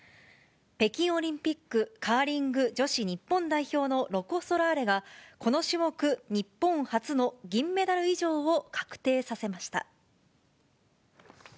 北京オリンピックカーリング女子日本代表のロコ・ソラーレが、この種目、日本初の銀メダル以上を確定させました。